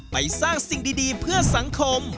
ไปสร้างสิ่งดีเพื่อสังคม